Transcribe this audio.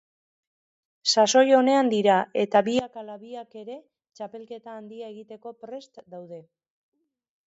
Sasoi onean dira eta biak ala biak ere txapelketa handia egiteko prest daude.